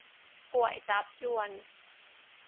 ก๋วยจั๊บญวน